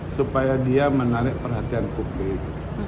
supaya dia menarik perhatian publik